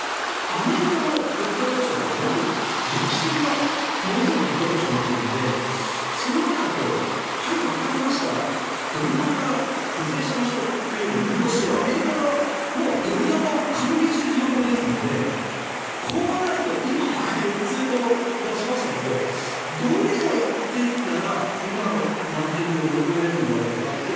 アメリカの物価上昇って本当に歴史的なものすごい物価上昇になっているので、そうなるとはい、わかりましたドル高是正しましょうというよりもむしろアメリカ側は、ドル高を歓迎している状況ですのでこうなると今、僕４つ出しましたけどどれをやっていったら今の難局を乗り越えられるんだろうかと。